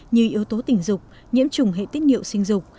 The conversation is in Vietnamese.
như yếu tố tình dục nhiễm chủng hệ tiết nghiệu sinh dục